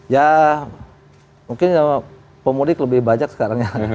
ya mungkin pemulik lebih banyak sekarang ya